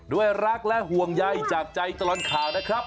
ด้วยรักและห่วงใยจากใจตลอดข่าวนะครับ